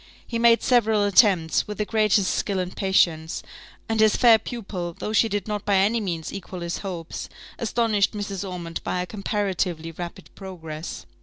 He made several attempts, with the greatest skill and patience; and his fair pupil, though she did not by any means equal his hopes, astonished Mrs. Ormond by her comparatively rapid progress.